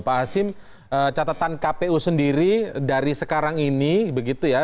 pak hasim catatan kpu sendiri dari sekarang ini begitu ya